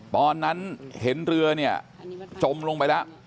ตอนนั้นเห็นเรือเนี่ยจมลงไปแล้ว